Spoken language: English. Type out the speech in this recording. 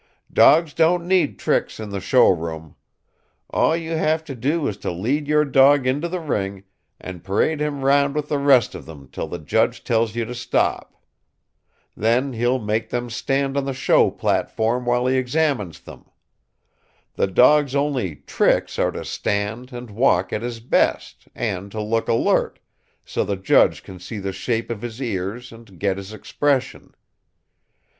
"Dogs don't need tricks in the show ring. All you have to do is to lead your dog into the ring, and parade him round with the rest of them till the judge tells you to stop. Then he'll make them stand on the show platform while he examines them. The dog's only 'tricks' are to stand and walk at his best, and to look alert, so the judge can see the shape of his ears and get his expression.